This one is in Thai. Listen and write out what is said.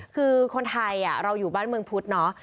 คือคนไทยเราอยู่บ้านเมืองพุธเนาะ